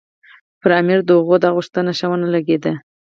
پر امیر د هغوی دا غوښتنه ښه ونه لګېده.